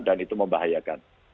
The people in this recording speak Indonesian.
dan itu membahayakan